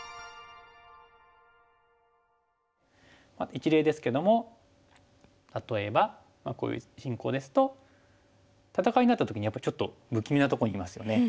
一例ですけども例えばこういう進行ですと戦いになった時にやっぱりちょっと不気味なとこにいますよね。